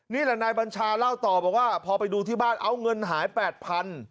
นี่แหละนายบัญชาเล่าต่อบอกว่าพอไปดูที่บ้านเอาเงินหาย๘๐๐บาท